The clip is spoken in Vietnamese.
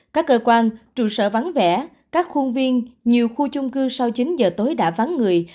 các cơ quan trụ sở vắng vẻ các khuôn viên nhiều khu chung cư sau chín giờ tối đã vắng người